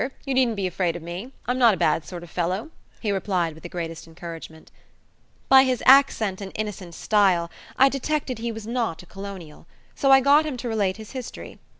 You needn't be afraid of me; I'm not a bad sort of fellow," he replied with the greatest encouragement. By his accent and innocent style I detected he was not a colonial, so I got him to relate his history.